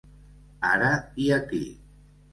Ara i aquí.